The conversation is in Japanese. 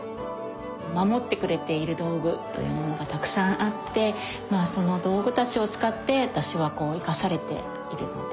守ってくれている道具というものがたくさんあってその道具たちを使って私は生かされているので。